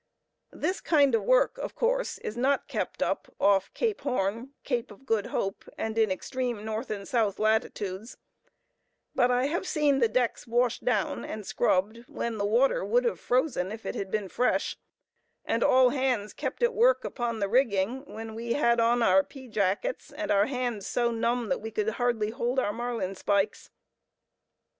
This kind of work, of course, is not kept up off Cape Horn, Cape of Good Hope, and in extreme north and south latitudes; but I have seen the decks washed down and scrubbed, when the water would have frozen if it had been fresh; and all hands kept at work upon the rigging, when we had on our pea jackets, and our hands so numb that we could hardly hold our marline spikes.